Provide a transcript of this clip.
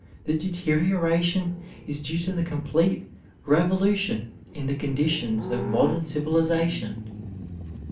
The deterioration is due to the complete revolution in the conditions of modern civilization.